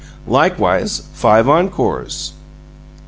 Likewise five encores.